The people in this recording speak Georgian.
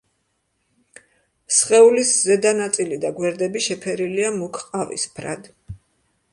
სხეულის ზედა ნაწილი და გვერდები შეფერილია მუქ ყავისფრად.